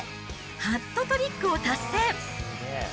ハットトリックを達成。